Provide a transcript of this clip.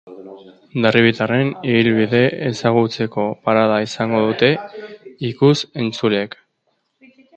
Hondarribitarraren ibilbidea ezagutzeko parada izango dute ikus-entzuleek.